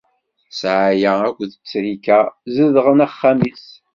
Ssɛaya akked ttrika zedɣen axxam-is.